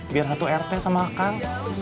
biar satu rt sama kang